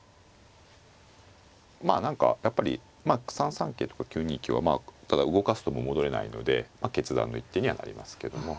まあ何かやっぱり３三桂とか９二香はまあただ動かすと戻れないので決断の一手にはなりますけども。